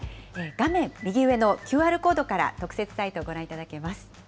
画面右上のＱＲコードから特設サイトをご覧いただけます。